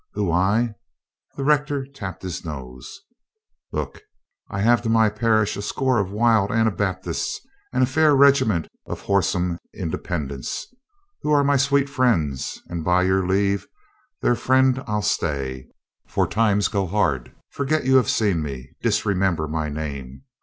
"Who, I?" The rector tapped his nose. "Look 'e, I have to my parish a score of wild Ana baptists and a fair regiment of whoreson independ ents who are my sweet friends, and, by your leave, their friend I'll stay. For times go hard. Forget you have seen me. Disremember my name.